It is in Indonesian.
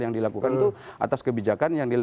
yang dilakukan itu atas kebijakan yang